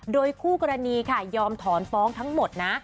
โดยคู่กรณีค่ะยอมถอนฟ้องทั้งหมดนะ